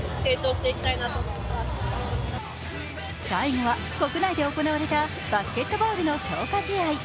最後は国内で行われたバスケットボールの強化試合。